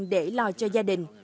để lo cho gia đình